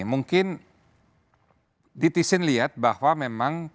mungkin netizen lihat bahwa memang